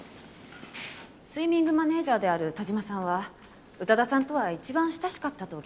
スイミングマネジャーである田嶋さんは宇多田さんとは一番親しかったと聞きました。